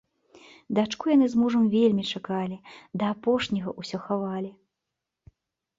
Дачку яны з мужам вельмі чакалі, да апошняга ўсё хавалі.